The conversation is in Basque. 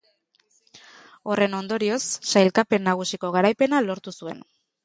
Horren ondorioz, sailkapen nagusiko garaipena lortu zuen.